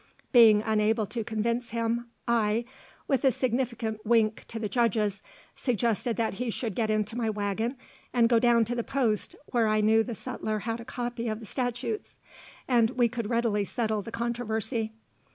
Being unable to convince him, I, with a significant wink to the judges, suggested that he should get into my wagon and go down to the post (where I knew the sutler had a copy of the statutes), and we could readily settle the controversy.